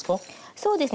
そうですね。